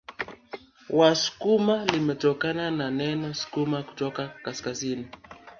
Wasukuma limetokana na neno sukuma kutoka kaskazini